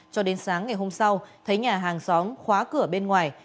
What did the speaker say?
cho đến sáng ngày hôm sau thấy nhà hàng xóm khóa cửa bên ngoài